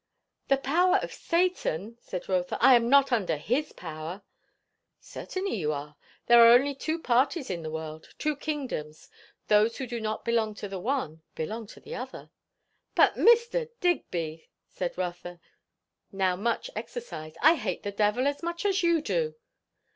"The power of Satan!" said Rotha. "I am not under his power!" "Certainly you are. There are only two parties in the world; two kingdoms; those who do not belong to the one, belong to the other." "But Mr. Digby," said Rotha, now much exercised, "I hate the devil as much as you do."